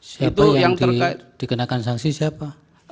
siapa yang dikenakan sanksi siapa